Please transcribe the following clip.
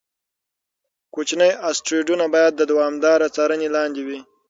کوچني اسټروېډونه باید د دوامداره څارنې لاندې وي.